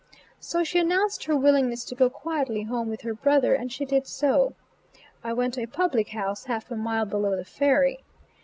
So she announced her willingness to go quietly home with her brother and she did so. I went to a public house half a mile below the ferry.